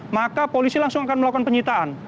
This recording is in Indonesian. maka polisi langsung akan melakukan penyitaan